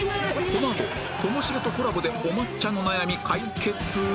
このあとともしげとコラボでお抹茶の悩み解決？